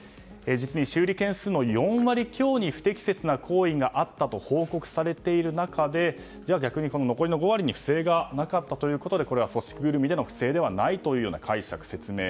実に修理件数の４割強に不適切な行為があったと報告されている中でじゃあ逆に残りの５割に不正がなかったということで組織ぐるみの不正ではないという解釈・説明。